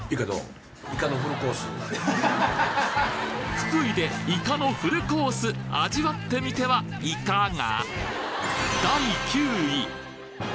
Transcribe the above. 福井でイカのフルコース味わってみてはイカが？